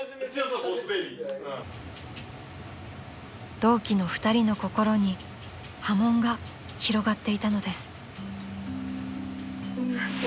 ［同期の２人の心に波紋が広がっていたのです］